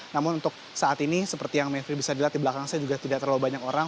namun untuk saat ini seperti yang mevri bisa dilihat di belakang saya juga tidak terlalu banyak orang